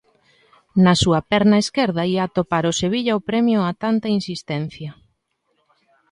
Na súa perna esquerda ía atopar o Sevilla o premio a tanta insistencia.